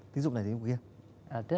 tính dục này tính dục kia